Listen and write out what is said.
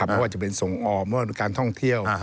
ไม่ว่าจะเป็นส่งออกไม่ว่าการท่องเที่ยว